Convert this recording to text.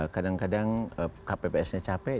kadang kadang kpps nya capek